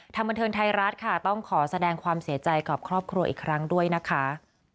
บันเทิงไทยรัฐค่ะต้องขอแสดงความเสียใจกับครอบครัวอีกครั้งด้วยนะคะ